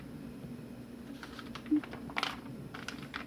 其晷针是从赫利奥波利斯而来的方尖碑。